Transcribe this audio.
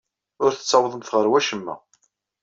Ur tettawḍemt ɣer wacemma.